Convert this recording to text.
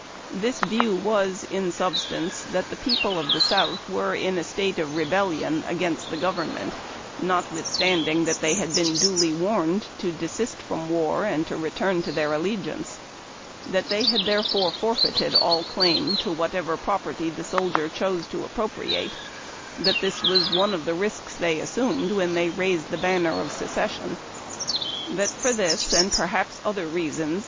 This y'lew was, in substance, that the people of the South were in a state of rebellion against the government, notwithstanding that they had been duly A l)ISCO\i;UY. liavmgr :^«^^^^^ warned to desist from war and return to their allegiance ; that they had therefore forfeited all claim to whatever property the soldier chose to appropriate ; tliat this was one of the risks they assumed when they raised the ban ner of secession ; that for this, and perhajis other reasons, 234 HARD TACK AND COFFEE.